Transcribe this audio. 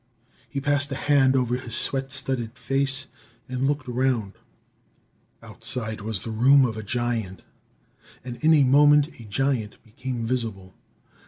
He passed a hand over his sweat studded face and looked around. Outside was the room of a giant. And in a moment a giant became visible.